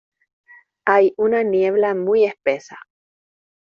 Hay una niebla muy espesa.